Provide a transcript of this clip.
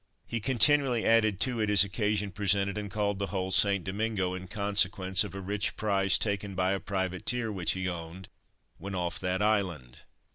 He continually added to it, as occasion presented, and called the whole "St. Domingo," in consequence of a rich prize taken by a privateer which he owned when off that island.